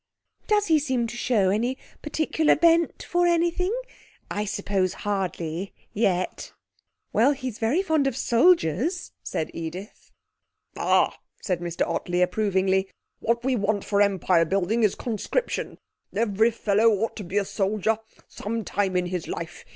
'Does he seem to show any particular bent for anything? I suppose hardly yet?' 'Well, he's very fond of soldiers,' said Edith. 'Ah!' said Mr Ottley approvingly; 'what we want for empire building is conscription. Every fellow ought to be a soldier some time in his life.